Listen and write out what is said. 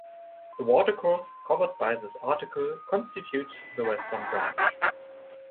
The watercourse covered by this article constitutes the western branch.